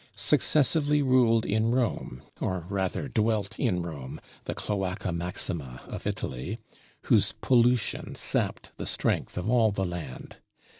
successively ruled in Rome, or rather dwelt in Rome, the Cloaca Maxima of Italy, whose pollution sapped the strength of all the land.